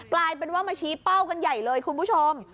กลายเป็นว่ามาชี้เป้ากันใหญ่เลยคุณผู้ชม